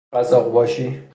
قزاق باشی